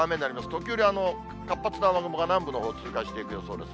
時折、活発な雨雲が南部のほう、通過していく予想です。